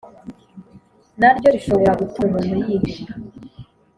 na ryo rishobora gutuma umuntu yiheba